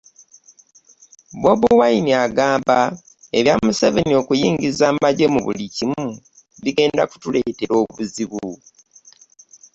Bobi Wine agamba ebya Museveni okuyingiza amagye mu buli kimu bigenda kutuleetera obuzibu.